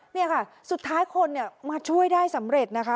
นี่ค่ะสุดท้ายคนเนี่ยมาช่วยได้สำเร็จนะคะ